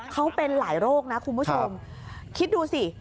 เขาเป็นหลายโรคนะคุณผู้ชมคิดดูสิ